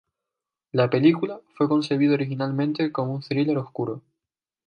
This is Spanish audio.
La película fue concebida originalmente como un thriller oscuro.